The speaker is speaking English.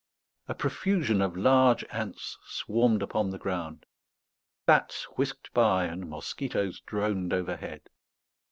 A profusion of large ants swarmed upon the ground; bats whisked by, and mosquitoes droned overhead.